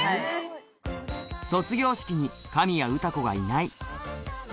卒業式に、神谷詩子がいない。